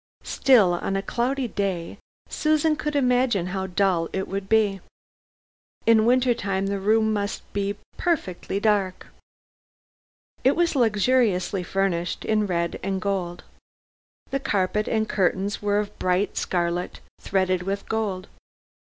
Still, on a cloudy day, Susan could imagine how dull it would be. In winter time the room must be perfectly dark. It was luxuriously furnished, in red and gold. The carpet and curtains were of bright scarlet, threaded with gold.